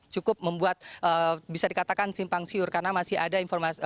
cukup membuat bisa dikatakan simpang siur karena masih ada informasi